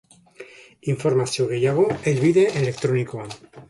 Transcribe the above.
Informazio gehiago helbide elektronikoan.